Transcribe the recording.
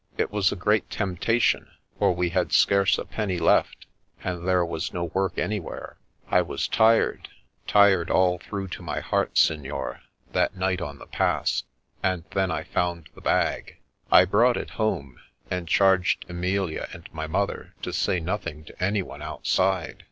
It was a great temptation, for we had scarce a penny left, and there was no work any where. I was tired, tired all through to my heart, Signor, that night on the Pass, and then I found the bag. I brought it home, and charged Emilia and my mother to say nothing to anyone outside.